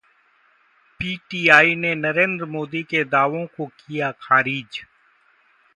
PTI ने नरेंद्र मोदी के दावों को किया खारिज